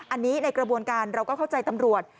อันนี้ในกระบวนการเราก็เข้าใจตำรวจ